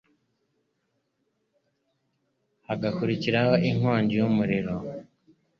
hagakurikiraho inkongi y umuriro